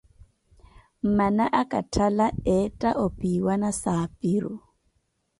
Mmana akatthala eetta opiwa nasaapiru.